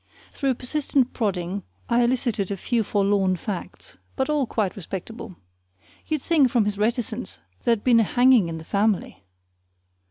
Through persistent prodding I elicited a few forlorn facts, but all quite respectable. You'd think, from his reticence, there'd been a hanging in the family.